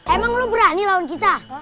emang lo berani lawan kita